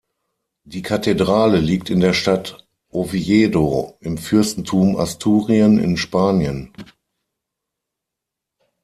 Die Kathedrale liegt in der Stadt Oviedo im Fürstentum Asturien in Spanien.